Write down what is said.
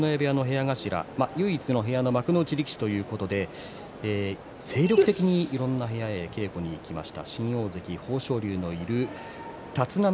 馬は九重部屋の部屋頭唯一の部屋の幕内力士ということで精力的にいろんな部屋に出稽古に行きました。